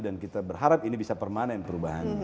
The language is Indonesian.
dan kita berharap ini bisa permanen perubahan